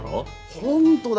本当だよ！